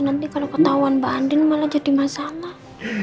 nanti kalau ketahuan mbak andin malah jadi masalah